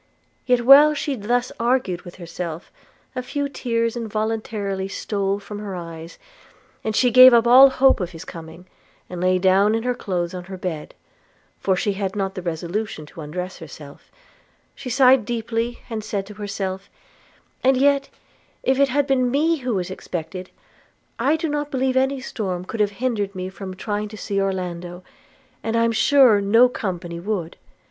Yet, while she thus argued with herself, a few tears involuntarily stole from her eyes; and as she gave up all hopes of his coming, and lay down in her clothes on her bed (for she had not the resolution to undress herself), she sighed deeply, and said to herself: 'And yet, if it had been me who was expected, I do not believe any storm could have hindered me from trying to see Orlando! and I am sure no company would.